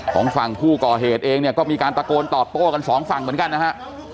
ของฝั่งผู้ก่อเหตุเองเนี่ยก็มีการตะโกนตอบโต้กันสองฝั่งเหมือนกันนะฮะ